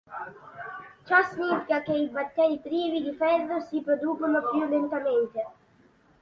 Ciò significa che i batteri privi di ferro si riproducono più lentamente.